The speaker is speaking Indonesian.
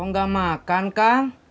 kok gak makan kang